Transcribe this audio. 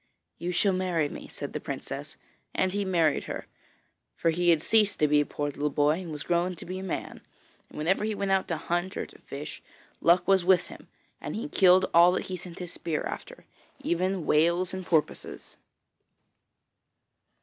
'You shall marry me,' said the princess, and he married her, for he had ceased to be a poor little boy, and was grown to be a man. And whenever he went out to hunt or to fish, luck was with him, and he killed all that he sent his spear after, even whales and porpoises.